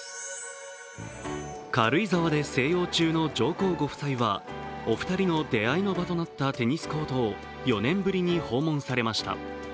軽井沢で静養中の上皇ご夫妻はお二人の出会いの場となったテニスコートを４年ぶりに訪問されました。